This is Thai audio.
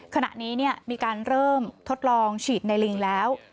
ขณะนี้มีการเริ่มทดลองฉีดในลิงแล้ว